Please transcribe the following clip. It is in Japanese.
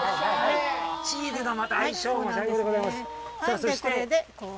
チーズがまた相性も最高でございます。